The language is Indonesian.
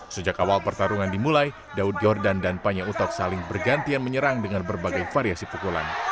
sejak awal pertarungan dimulai daud yordan dan panya utok saling bergantian menyerang dengan berbagai variasi pukulan